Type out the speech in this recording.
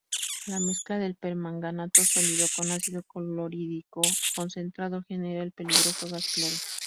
La mezcla del permanganato sólido con ácido clorhídrico concentrado genera el peligroso gas cloro.